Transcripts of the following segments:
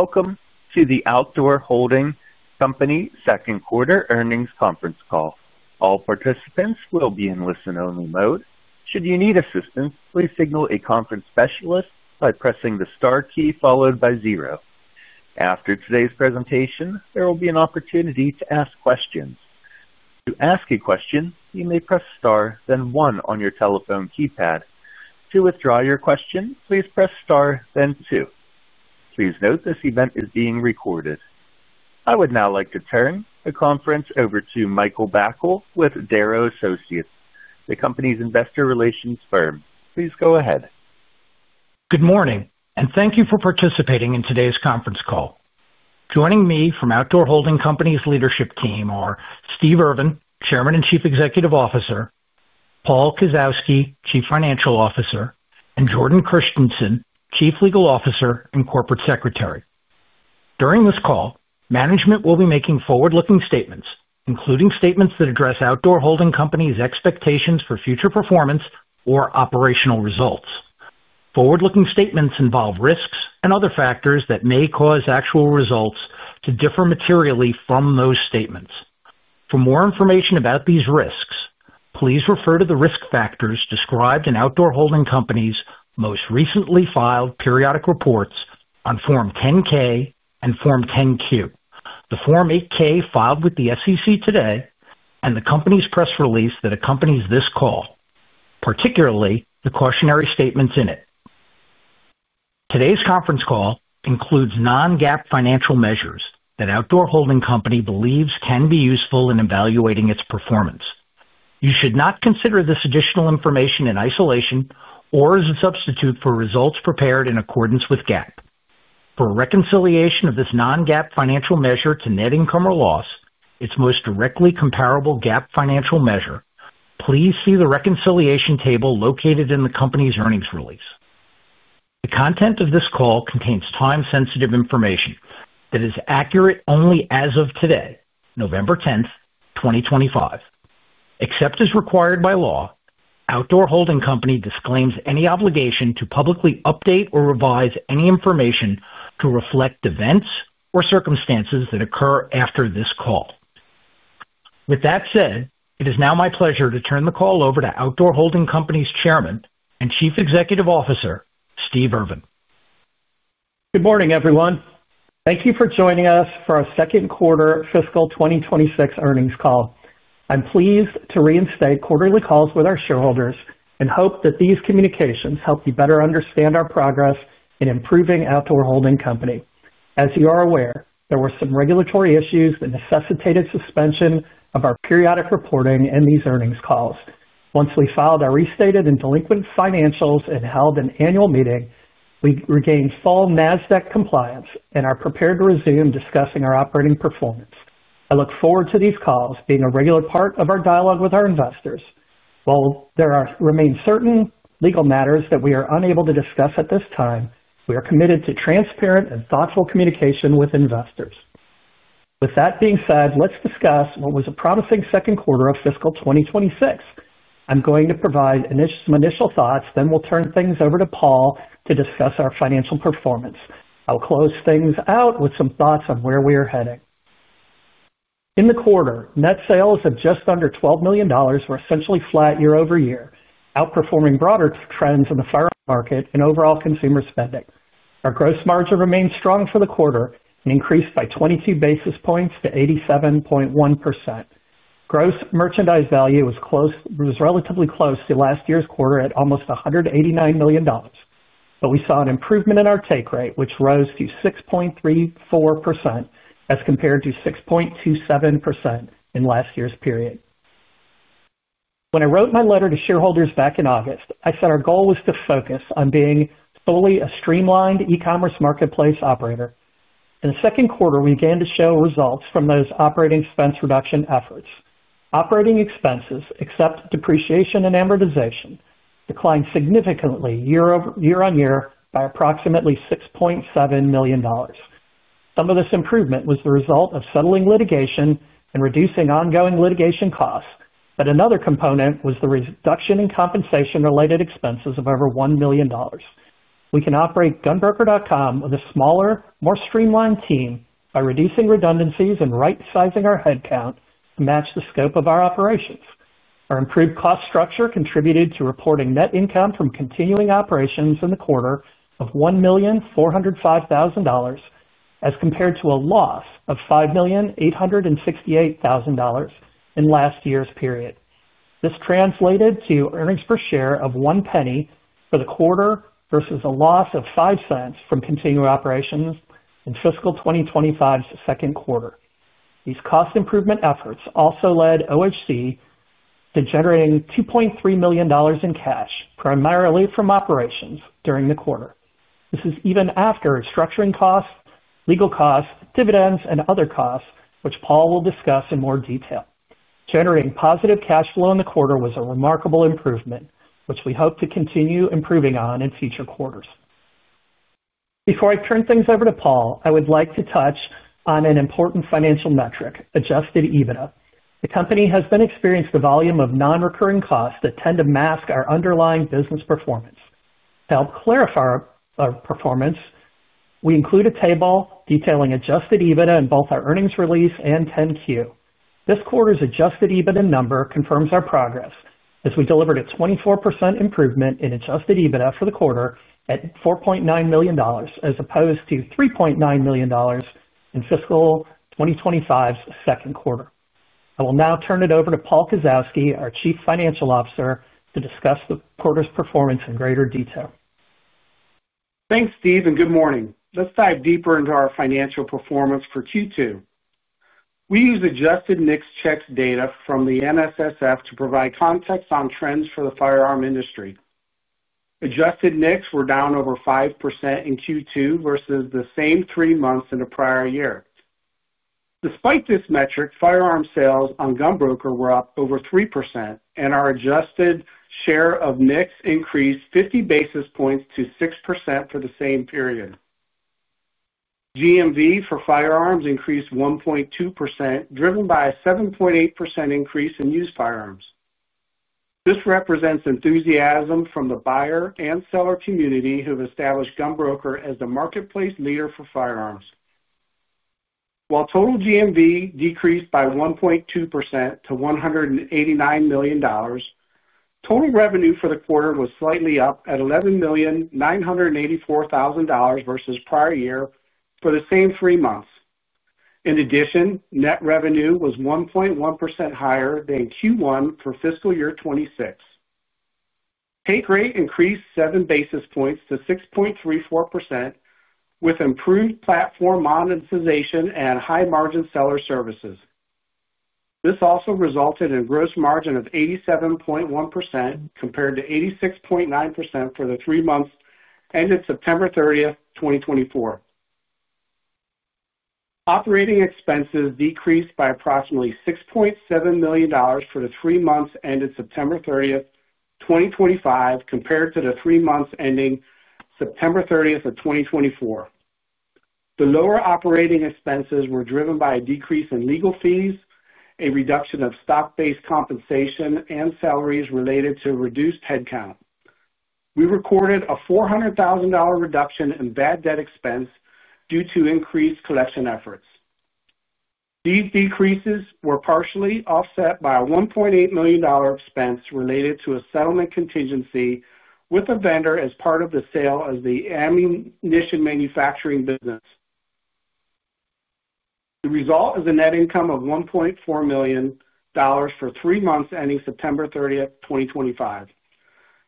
Welcome to the Outdoor Holding Company Second Quarter Earnings Conference Call. All participants will be in listen-only mode. Should you need assistance, please signal a conference specialist by pressing the star key followed by zero. After today's presentation, there will be an opportunity to ask questions. To ask a question, you may press star, then one on your telephone keypad. To withdraw your question, please press star, then two. Please note this event is being recorded. I would now like to turn the conference over to Michael Bacal with Darrow Associates, the company's investor relations firm. Please go ahead. Good morning, and thank you for participating in today's conference call. Joining me from Outdoor Holding Company's leadership team are Steve Irvin, Chairman and Chief Executive Officer; Paul Kasowski, Chief Financial Officer; and Jordan Christensen, Chief Legal Officer and Corporate Secretary. During this call, management will be making forward-looking statements, including statements that address Outdoor Holding Company's expectations for future performance or operational results. Forward-looking statements involve risks and other factors that may cause actual results to differ materially from those statements. For more information about these risks, please refer to the risk factors described in Outdoor Holding Company's most recently filed periodic reports on Form 10-K and Form 10-Q, the Form 8-K filed with the SEC today, and the company's press release that accompanies this call, particularly the cautionary statements in it. Today's conference call includes non-GAAP financial measures that Outdoor Holding Company believes can be useful in evaluating its performance. You should not consider this additional information in isolation or as a substitute for results prepared in accordance with GAAP. For reconciliation of this non-GAAP financial measure to net income or loss, its most directly comparable GAAP financial measure, please see the reconciliation table located in the company's earnings release. The content of this call contains time-sensitive information that is accurate only as of today, November 10th, 2025. Except as required by law, Outdoor Holding Company disclaims any obligation to publicly update or revise any information to reflect events or circumstances that occur after this call. With that said, it is now my pleasure to turn the call over to Outdoor Holding Company's Chairman and Chief Executive Officer, Steve Irvin. Good morning, everyone. Thank you for joining us for our second quarter fiscal 2026 earnings call. I'm pleased to reinstate quarterly calls with our shareholders and hope that these communications help you better understand our progress in improving Outdoor Holding Company. As you are aware, there were some regulatory issues that necessitated suspension of our periodic reporting and these earnings calls. Once we filed our restated and delinquent financials and held an annual meeting, we regained full NASDAQ compliance and are prepared to resume discussing our operating performance. I look forward to these calls being a regular part of our dialogue with our investors. While there remain certain legal matters that we are unable to discuss at this time, we are committed to transparent and thoughtful communication with investors. With that being said, let's discuss what was a promising second quarter of fiscal 2026. I'm going to provide some initial thoughts, then we'll turn things over to Paul to discuss our financial performance. I'll close things out with some thoughts on where we are heading. In the quarter, net sales of just under $12 million were essentially flat year-over-year, outperforming broader trends in the firearm market and overall consumer spending. Our gross margin remained strong for the quarter and increased by 22 basis points to 87.1%. Gross merchandise value was relatively close to last year's quarter at almost $189 million, but we saw an improvement in our take rate, which rose to 6.34% as compared to 6.27% in last year's period. When I wrote my letter to shareholders back in August, I said our goal was to focus on being fully a streamlined e-commerce marketplace operator. In the second quarter, we began to show results from those operating expense reduction efforts. Operating expenses, except depreciation and amortization, declined significantly year on year by approximately $6.7 million. Some of this improvement was the result of settling litigation and reducing ongoing litigation costs, but another component was the reduction in compensation-related expenses of over $1 million. We can operate GunBroker.com with a smaller, more streamlined team by reducing redundancies and right-sizing our headcount to match the scope of our operations. Our improved cost structure contributed to reporting net income from continuing operations in the quarter of $1,405,000 as compared to a loss of $5,868,000 in last year's period. This translated to earnings per share of one penny for the quarter versus a loss of five cents from continuing operations in fiscal 2025's second quarter. These cost improvement efforts also led OHC to generating $2.3 million in cash, primarily from operations, during the quarter. This is even after structuring costs, legal costs, dividends, and other costs, which Paul will discuss in more detail. Generating positive cash flow in the quarter was a remarkable improvement, which we hope to continue improving on in future quarters. Before I turn things over to Paul, I would like to touch on an important financial metric, adjusted EBITDA. The company has been experiencing a volume of non-recurring costs that tend to mask our underlying business performance. To help clarify our performance, we include a table detailing adjusted EBITDA in both our earnings release and 10-Q. This quarter's adjusted EBITDA number confirms our progress, as we delivered a 24% improvement in adjusted EBITDA for the quarter at $4.9 million as opposed to $3.9 million in fiscal 2025's second quarter. I will now turn it over to Paul Kasowski, our Chief Financial Officer, to discuss the quarter's performance in greater detail. Thanks, Steve, and good morning. Let's dive deeper into our financial performance for Q2. We use adjusted NICS checks data from the NSSF to provide context on trends for the firearm industry. Adjusted NICS were down over 5% in Q2 versus the same three months in a prior year. Despite this metric, firearm sales on gun broker were up over 3%, and our adjusted share of NICS increased 50 basis points to 6% for the same period. GMV for firearms increased 1.2%, driven by a 7.8% increase in used firearms. This represents enthusiasm from the buyer and seller community who have established gun broker as the marketplace leader for firearms. While total GMV decreased by 1.2% to $189 million, total revenue for the quarter was slightly up at $11,984,000 versus prior year for the same three months. In addition, net revenue was 1.1% higher than Q1 for fiscal year '26. Take rate increased 7 basis points to 6.34% with improved platform monetization and high-margin seller services. This also resulted in a gross margin of 87.1% compared to 86.9% for the three months ended September 30th, 2024. Operating expenses decreased by approximately $6.7 million for the three months ended September 30th, 2025, compared to the three months ending September 30th of 2024. The lower operating expenses were driven by a decrease in legal fees, a reduction of stock-based compensation, and salaries related to reduced headcount. We recorded a $400,000 reduction in bad debt expense due to increased collection efforts. These decreases were partially offset by a $1.8 million expense related to a settlement contingency with a vendor as part of the sale of the ammunition manufacturing business. The result is a net income of $1.4 million for three months ending September 30th, 2025.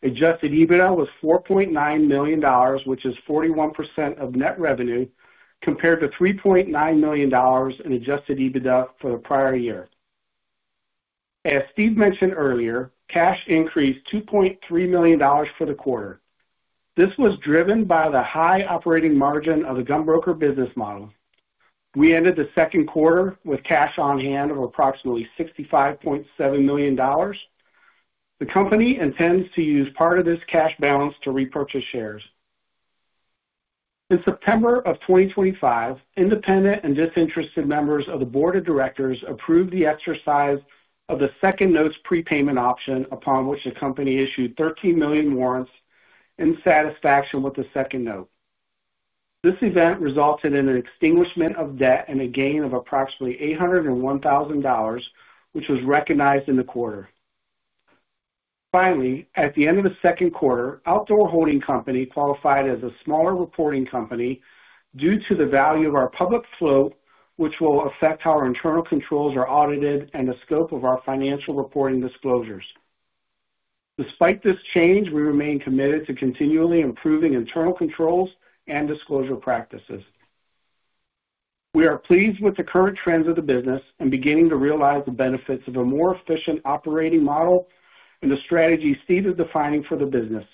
Adjusted EBITDA was $4.9 million, which is 41% of net revenue, compared to $3.9 million in adjusted EBITDA for the prior year. As Steve mentioned earlier, cash increased $2.3 million for the quarter. This was driven by the high operating margin of the gun broker business model. We ended the second quarter with cash on hand of approximately $65.7 million. The company intends to use part of this cash balance to repurchase shares. In September of 2025, independent and disinterested members of the board of directors approved the exercise of the second note's prepayment option, upon which the company issued 13 million warrants in satisfaction with the second note. This event resulted in an extinguishment of debt and a gain of approximately $801,000, which was recognized in the quarter. Finally, at the end of the second quarter, Outdoor Holding Company qualified as a smaller reporting company due to the value of our public float, which will affect how our internal controls are audited and the scope of our financial reporting disclosures. Despite this change, we remain committed to continually improving internal controls and disclosure practices. We are pleased with the current trends of the business and beginning to realize the benefits of a more efficient operating model and the strategy Steve is defining for the business,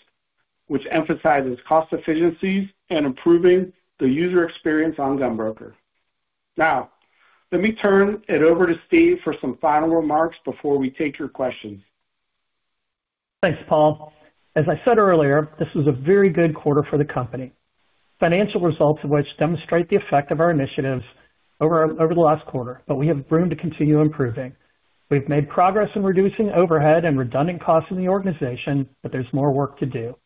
which emphasizes cost efficiencies and improving the user experience on gun broker. Now, let me turn it over to Steve for some final remarks before we take your questions. Thanks, Paul. As I said earlier, this was a very good quarter for the company, financial results of which demonstrate the effect of our initiatives over the last quarter, but we have room to continue improving. We've made progress in reducing overhead and redundant costs in the organization, but there's more work to do.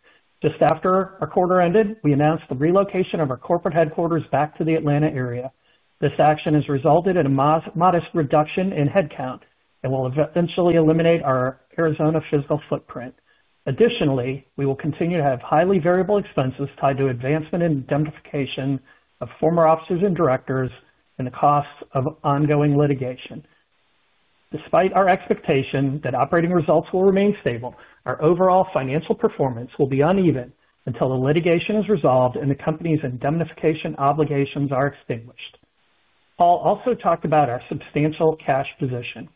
Just after our quarter ended, we announced the relocation of our corporate headquarters back to the Atlanta area. This action has resulted in a modest reduction in headcount and will eventually eliminate our Arizona physical footprint. Additionally, we will continue to have highly variable expenses tied to advancement and indemnification of former officers and directors and the costs of ongoing litigation. Despite our expectation that operating results will remain stable, our overall financial performance will be uneven until the litigation is resolved and the company's indemnification obligations are extinguished. Paul also talked about our substantial cash position.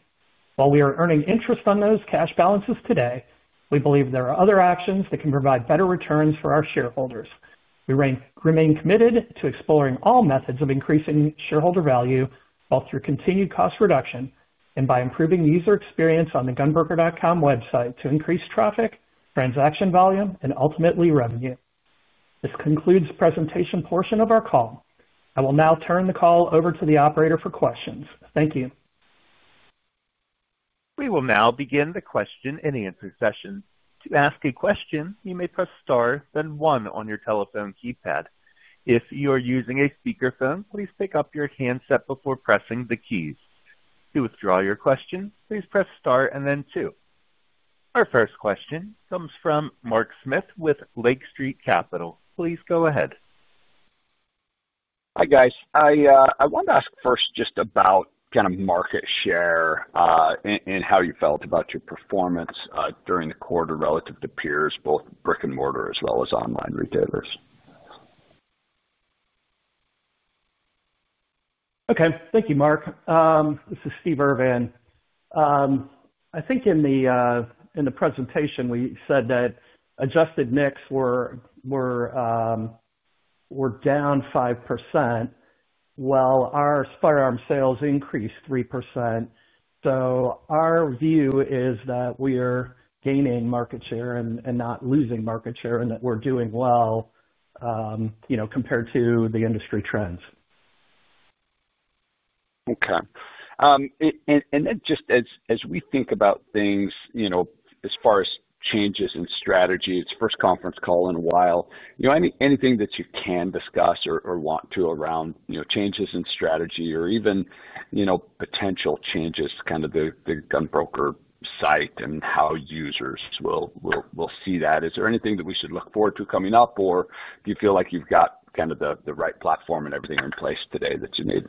While we are earning interest on those cash balances today, we believe there are other actions that can provide better returns for our shareholders. We remain committed to exploring all methods of increasing shareholder value, both through continued cost reduction and by improving user experience on the GunBroker.com website to increase traffic, transaction volume, and ultimately revenue. This concludes the presentation portion of our call. I will now turn the call over to the operator for questions. Thank you. We will now begin the question and answer session. To ask a question, you may press star then one on your telephone keypad. If you are using a speakerphone, please pick up your handset before pressing the keys. To withdraw your question, please press star and then two. Our first question comes from Mark Smith with Lake Street Capital. Please go ahead. Hi, guys. I wanted to ask first just about kind of market share and how you felt about your performance during the quarter relative to peers, both brick and mortar as well as online retailers. Okay. Thank you, Mark. This is Steve Irvin. I think in the presentation, we said that adjusted NICS were down 5%, while our firearm sales increased 3%. So our view is that we are gaining market share and not losing market share and that we're doing well compared to the industry trends. Okay. And then just as we think about things as far as changes in strategy, it's the first conference call in a while. Anything that you can discuss or want to around changes in strategy or even potential changes to kind of the gun broker site and how users will see that? Is there anything that we should look forward to coming up, or do you feel like you've got kind of the right platform and everything in place today that you need?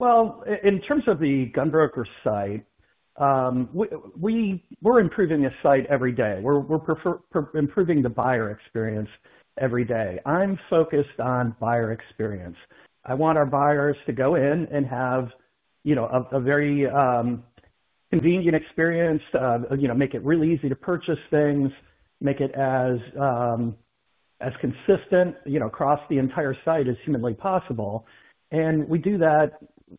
Well, in terms of the gun broker site, we're improving the site every day. We're improving the buyer experience every day. I'm focused on buyer experience. I want our buyers to go in and have a very convenient experience, make it really easy to purchase things, make it as consistent across the entire site as humanly possible. And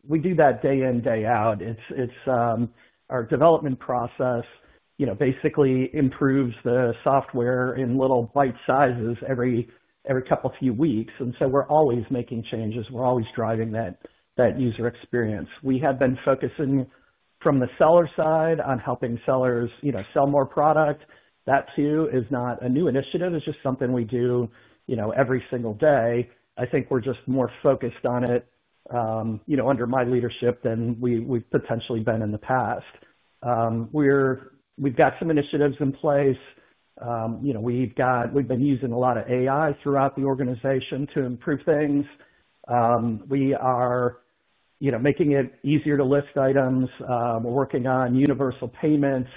we do that day in, day out. Our development process basically improves the software in little bite sizes every couple of few weeks. And so we're always making changes. We're always driving that user experience. We have been focusing from the seller side on helping sellers sell more product. That, too, is not a new initiative. It's just something we do every single day. I think we're just more focused on it under my leadership than we've potentially been in the past. We've got some initiatives in place. We've been using a lot of AI throughout the organization to improve things. We are making it easier to list items. We're working on universal payments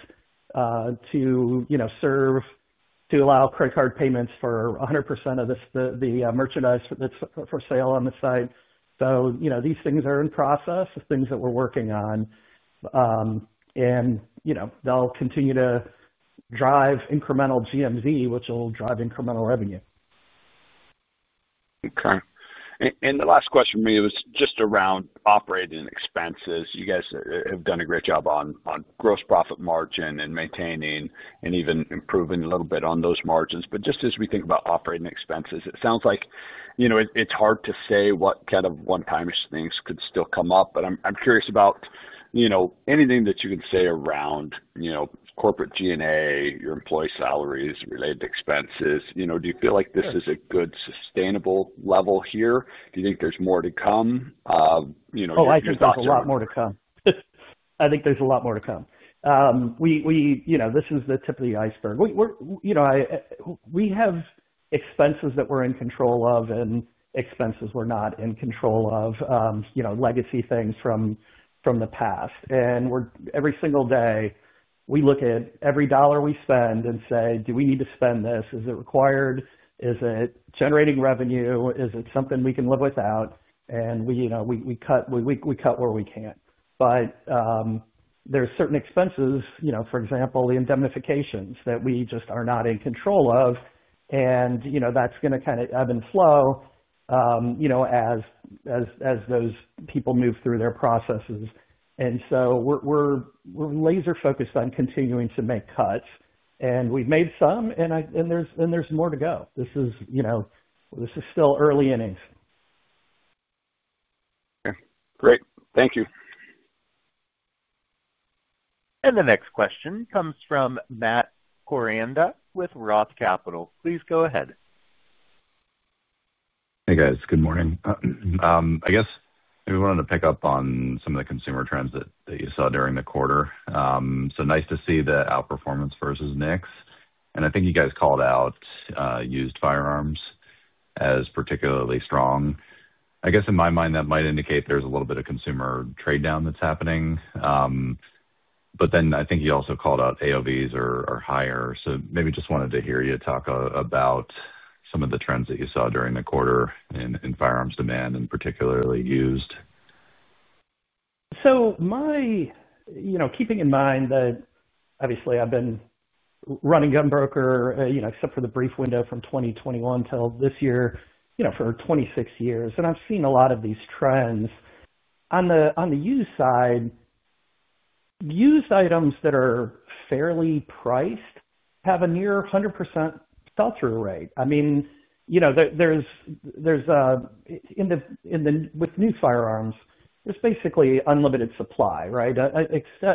to allow credit card payments for 100% of the merchandise that's for sale on the site. So these things are in process of things that we're working on. And they'll continue to drive incremental GMV, which will drive incremental revenue. Okay. And the last question for me was just around operating expenses. You guys have done a great job on gross profit margin and maintaining and even improving a little bit on those margins. But just as we think about operating expenses, it sounds like it's hard to say what kind of one-time things could still come up. But I'm curious about anything that you can say around corporate G&A, your employee salaries, related expenses. Do you feel like this is a good sustainable level here? Do you think there's more to come? Oh, I think there's a lot more to come. I think there's a lot more to come. This is the tip of the iceberg. We have expenses that we're in control of and expenses we're not in control of, legacy things from the past. And every single day, we look at every dollar we spend and say, "Do we need to spend this? Is it required? Is it generating revenue? Is it something we can live without?" And we cut where we can. But there are certain expenses, for example, the indemnifications that we just are not in control of. And that's going to kind of ebb and flow as those people move through their processes. And so we're laser-focused on continuing to make cuts. And we've made some, and there's more to go. This is still early innings. Okay. Great. Thank you. And the next question comes from Matt Koranda with ROTH Capital. Please go ahead. Hey, guys. Good morning. I guess we wanted to pick up on some of the consumer trends that you saw during the quarter. So nice to see the outperformance versus NICS. And I think you guys called out used firearms as particularly strong. I guess in my mind, that might indicate there's a little bit of consumer trade down that's happening. But then I think you also called out AOVs are higher. So maybe just wanted to hear you talk about some of the trends that you saw during the quarter in firearms demand and particularly used. So keeping in mind that obviously I've been running gun broker except for the brief window from 2021 till this year for 26 years. And I've seen a lot of these trends. On the used side, used items that are fairly priced have a near 100% sell-through rate. I mean, with new firearms, there's basically unlimited supply, right?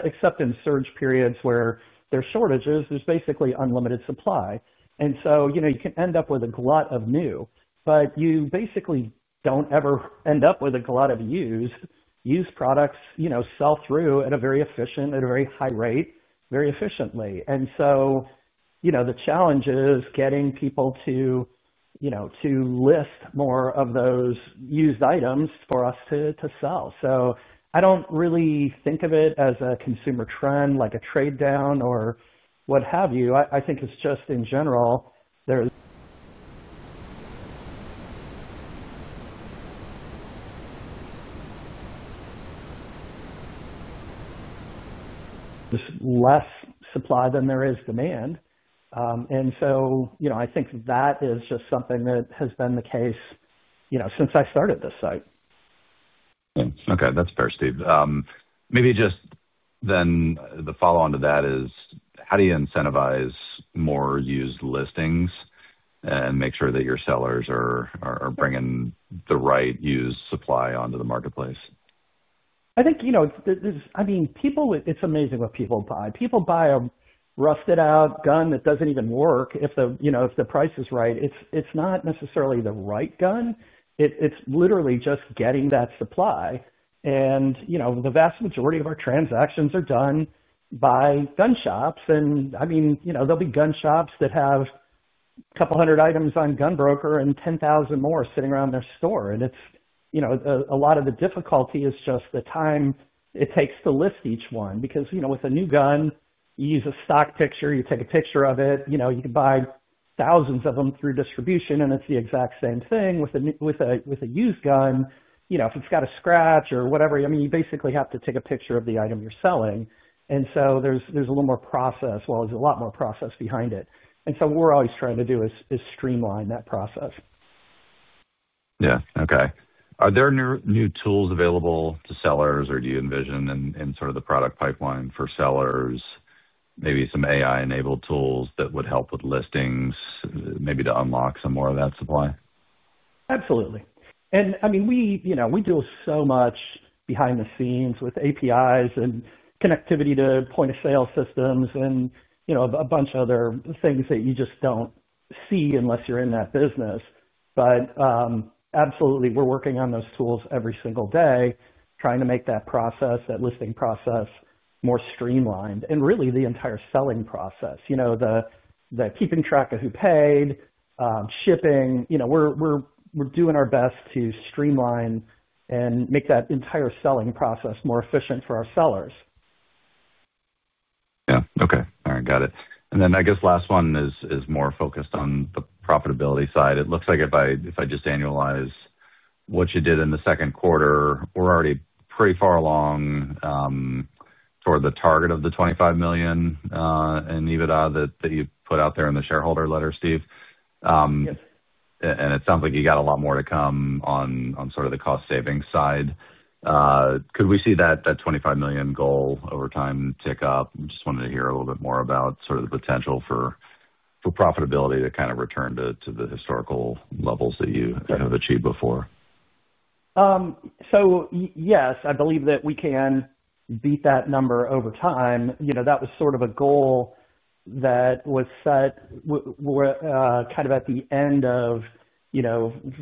Except in surge periods where there's shortages, there's basically unlimited supply. And so you can end up with a glut of new, but you basically don't ever end up with a glut of used products sell-through at a very efficient, at a very high rate, very efficiently. And so the challenge is getting people to list more of those used items for us to sell. So I don't really think of it as a consumer trend, like a trade down or what have you. I think it's just in general, there's less supply than there is demand. And so I think that is just something that has been the case since I started this site. Okay. That's fair, Steve. Maybe just then the follow-on to that is, how do you incentivize more used listings and make sure that your sellers are bringing the right used supply onto the marketplace? I think, I mean, it's amazing what people buy. People buy a rusted-out gun that doesn't even work if the price is right. It's not necessarily the right gun. It's literally just getting that supply. And the vast majority of our transactions are done by gun shops. And I mean, there'll be gun shops that have a couple hundred items on gun broker and 10,000 more sitting around their store. And a lot of the difficulty is just the time it takes to list each one. Because with a new gun, you use a stock picture, you take a picture of it, you can buy thousands of them through distribution, and it's the exact same thing. With a used gun, if it's got a scratch or whatever, I mean, you basically have to take a picture of the item you're selling. And so there's a little more process, well, there's a lot more process behind it. And so what we're always trying to do is streamline that process. Yeah. Okay. Are there new tools available to sellers, or do you envision in sort of the product pipeline for sellers, maybe some AI-enabled tools that would help with listings, maybe to unlock some more of that supply? Absolutely. And I mean, we do so much behind the scenes with APIs and connectivity to point-of-sale systems and a bunch of other things that you just don't see unless you're in that business. But absolutely, we're working on those tools every single day, trying to make that process, that listing process, more streamlined. And really, the entire selling process, the keeping track of who paid, shipping. We're doing our best to streamline and make that entire selling process more efficient for our sellers. Yeah. Okay. All right. Got it. And then I guess last one is more focused on the profitability side. It looks like if I just annualize what you did in the second quarter, we're already pretty far along toward the target of the 25 million in EBITDA that you put out there in the shareholder letter, Steve. And it sounds like you got a lot more to come on sort of the cost-saving side. Could we see that 25 million goal over time tick up? Just wanted to hear a little bit more about sort of the potential for profitability to kind of return to the historical levels that you have achieved before. So yes, I believe that we can beat that number over time. That was sort of a goal that was set kind of at the end of,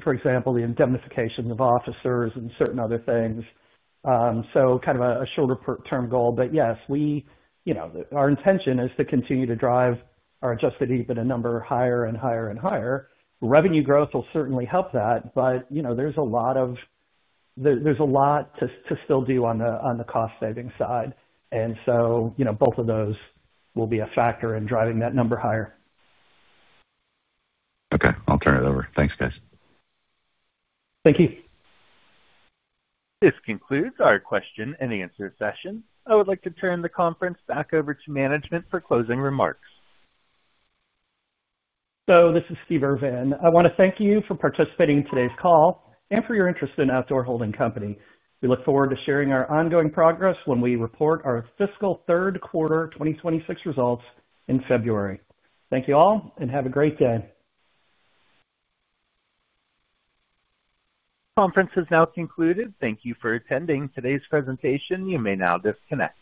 for example, the indemnification of officers and certain other things. So kind of a shorter-term goal. But yes, our intention is to continue to drive our adjusted EBITDA number higher and higher and higher. Revenue growth will certainly help that, but there's a lot of there's a lot to still do on the cost-saving side. And so both of those will be a factor in driving that number higher. Okay. I'll turn it over. Thanks, guys. Thank you. This concludes our question and answer session. I would like to turn the conference back over to management for closing remarks. So this is Steve Irvin. I want to thank you for participating in today's call and for your interest in Outdoor Holding Company. We look forward to sharing our ongoing progress when we report our fiscal third quarter 2026 results in February. Thank you all and have a great day. Conference has now concluded. Thank you for attending today's presentation. You may now disconnect.